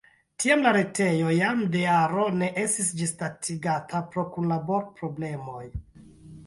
Tiam la retejo jam de jaro ne estis ĝisdatigata pro kunlabor-problemoj.